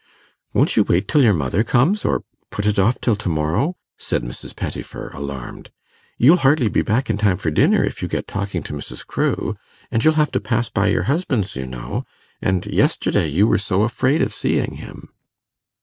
'Won't you wait till your mother comes, or put it off till to morrow?' said Mrs. Pettifer, alarmed. 'You'll hardly be back in time for dinner, if you get talking to Mrs. Crewe. And you'll have to pass by your husband's, you know; and yesterday, you were so afraid of seeing him.